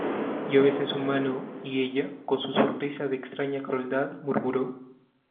yo besé su mano, y ella, con una sonrisa de extraña crueldad, murmuró: